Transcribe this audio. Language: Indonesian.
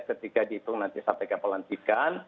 ketika dihitung nanti strategi pelantikan